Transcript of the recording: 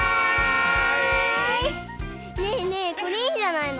ねえねえこれいいんじゃないの？